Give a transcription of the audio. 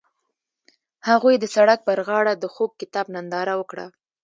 هغوی د سړک پر غاړه د خوږ کتاب ننداره وکړه.